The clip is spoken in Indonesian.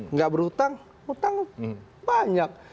nggak berhutang hutang banyak